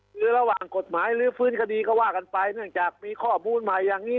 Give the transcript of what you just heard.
คือระหว่างกฎหมายลื้อฟื้นคดีก็ว่ากันไปเนื่องจากมีข้อมูลใหม่อย่างนี้